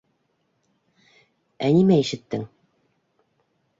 Ә нимә ишеттең?